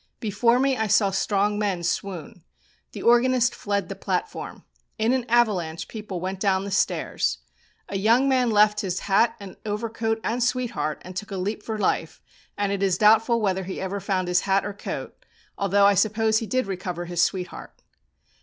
Before me I saw strong men swoon. The organist fled the platform. In an avalanche people went down the stairs. A young man left his hat and overcoat and sweetheart, and took a leap for life, and it is doubtful whether he ever found his hat or coat, although, I suppose, he did recover his sweetheart.